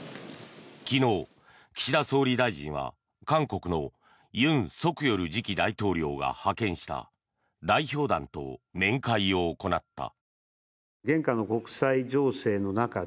昨日、岸田総理大臣は韓国の尹錫悦次期大統領が派遣した代表団と面会を行った。